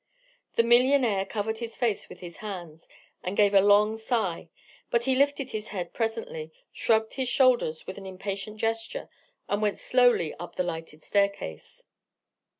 The millionaire covered his face with his hands, and gave a long sigh: but he lifted his head presently, shrugged his shoulders with an impatient gesture, and went slowly up the lighted staircase.